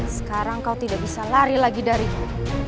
sekarang kau tidak bisa lari lagi dariku